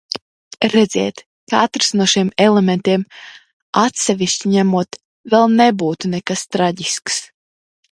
Redziet, katrs no šiem elementiem, atsevišķi ņemot, vēl nebūtu nekas traģisks.